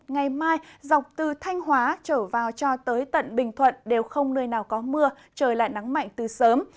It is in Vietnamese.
ngày mai dọc từ thanh hóa trở vào cho tới tận bình thuận đều không nơi nào có mưa trời lại nắng mạnh từ sớm